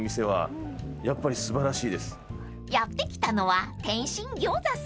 ［やって来たのは］